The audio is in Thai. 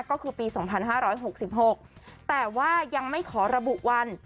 ก็คือปีสองพันห้าร้อยหกสิบหกแต่ว่ายังไม่ขอระบุวัน